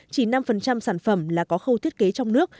chỉ năm sản phẩm là có khâu thiết kế trong nước